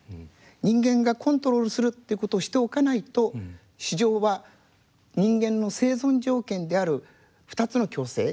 人間がコントロールするっていうことをしておかないと市場は人間の生存条件である２つの共生を崩してしまうと。